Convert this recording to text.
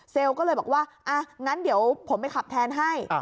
ก็เลยบอกว่าอ่ะงั้นเดี๋ยวผมไปขับแทนให้